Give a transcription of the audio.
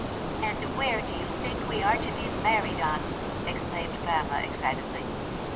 " And where do you think we are to be married, aunt ?" ex claimed Pamela excitedly.